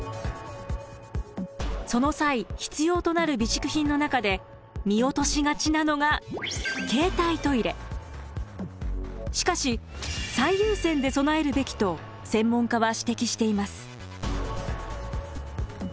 その際必要となる備蓄品の中で見落としがちなのがしかしと専門家は指摘しています。